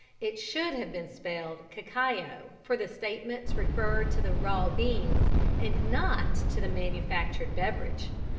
It should have been spelled "cacao," for the statements referred to the raw beans and not to the manufactured beverage.